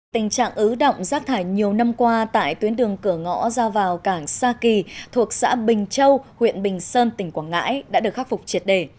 tình trạng ứ động rác thải nhiều năm qua tại tuyến đường cửa ngõ ra vào cảng sa kỳ thuộc xã bình châu huyện bình sơn tỉnh quảng ngãi đã được khắc phục triệt đề